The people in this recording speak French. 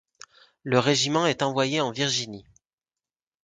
Le régiment est envoyé en Virginie.